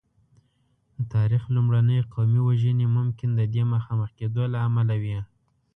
د تاریخ لومړنۍ قومي وژنې ممکن د دې مخامخ کېدو له امله وې.